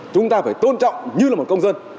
chúng ta phải tôn trọng như là một công dân